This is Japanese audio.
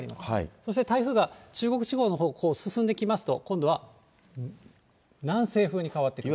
そして台風が中国地方のほう、進んできますと、今度は南西風に変わってきます。